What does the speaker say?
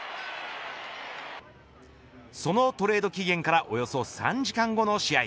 そのトレード期限からおよそ３時間後の試合